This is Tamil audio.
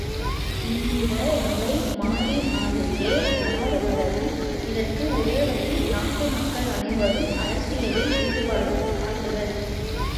இந்த நிலை மாறினாலேயே நாடு வளரும் இதற்கு ஒரே வழி நாட்டு மக்கள் அனைவரும் அரசியலில் ஈடுபாடு காட்டுதல்!